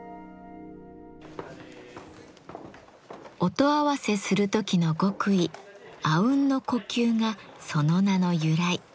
音合わせする時の極意「阿吽の呼吸」がその名の由来。